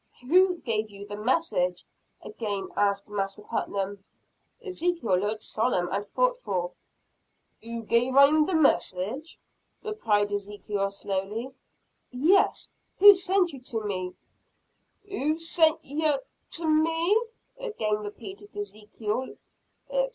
"Who gave you the message?" again asked Master Putnam. Ezekiel looked solemn and thoughtful. "Who gave 'im the message," replied Ezekiel slowly. "Yes who sent you to me?" "Who sent yer to me?" again repeated Ezekiel.